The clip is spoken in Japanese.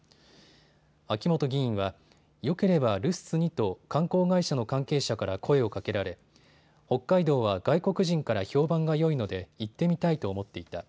秋元議員はよければルスツにと観光会社の関係者から声をかけられ北海道は外国人から評判がよいので行ってみたいと思っていた。